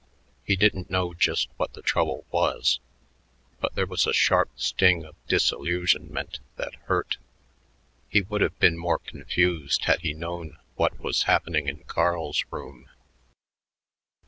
He didn't know just what the trouble was, but there was a sharp sting of disillusionment that hurt. He would have been more confused had he known what was happening in Carl's room.